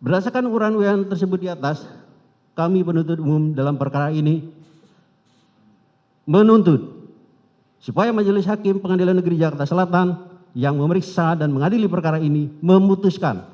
berdasarkan ukuran wn tersebut di atas kami penuntut umum dalam perkara ini menuntut supaya majelis hakim pengadilan negeri jakarta selatan yang memeriksa dan mengadili perkara ini memutuskan